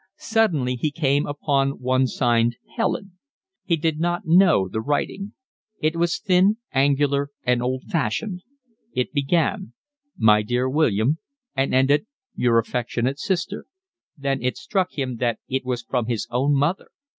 Suddenly he came upon one signed Helen. He did not know the writing. It was thin, angular, and old fashioned. It began: my dear William, and ended: your affectionate sister. Then it struck him that it was from his own mother.